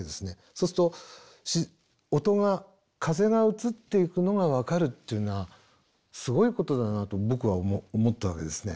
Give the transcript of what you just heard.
そうすると音が風が移っていくのが分かるっていうのはすごいことだなと僕は思ったわけですね。